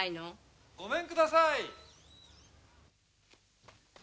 ごめんください！